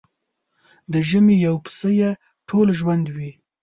د ژمي يو پسه يې ټول ژوند وي.